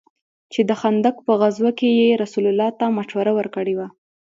چې د خندق په غزوه كښې يې رسول الله ته مشوره وركړې وه.